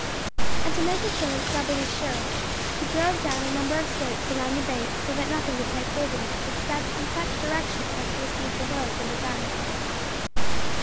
And to make assurance doubly sure, he drove down a number of stakes around the bait, so that nothing could take hold of it, except in such direction as to receive the load from the gun.